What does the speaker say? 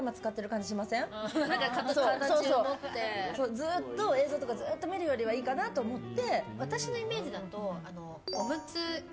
ずっと映像とかを見るよりかはいいかなあと思って。